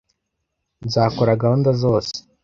Nzakora gahunda zose.